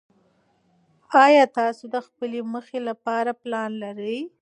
ایا تاسو د خپلې موخې لپاره پلان لرئ؟